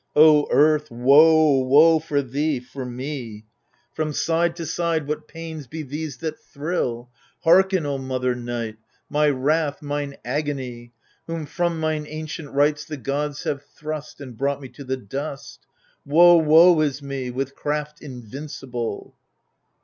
O Earth, Woe, woe for thee, for me ! 174 THE FURIES From side to side what pains be these that thrill ? Hearken, O mother Night, my wrath, mine agony ! Whom from mine ancient rights the gods have thrust, And brought me to the dust — Woe, woe is me !— with craft invincible.